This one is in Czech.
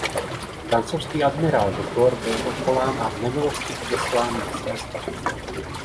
Francouzský admirál de Court byl odvolán a v nemilosti odeslán na své statky.